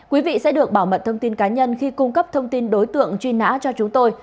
quý vị sẽ được bảo mật thông tin cá nhân khi cung cấp thông tin đối tượng truy nã cho chúng tôi